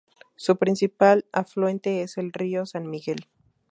Su principal afluente es el río San Miguel.